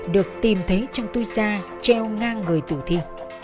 được tìm thấy trong tui xa treo ngang người tử thi